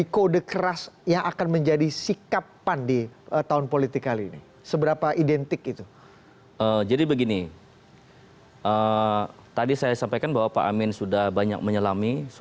tonton bersama kami